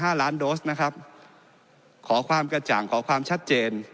ล้านโดสนะครับขอความกระจ่างขอความชัดเจน